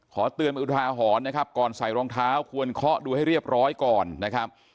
ขอเตือนเป็นอุทาหรณ์นะครับก่อนใส่รองเท้าควรเคาะดูให้เรียบร้อยก่อนนะครับ